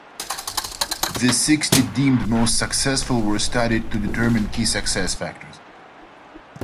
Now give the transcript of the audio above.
The sixty deemed most successful were studied to determine key success factors.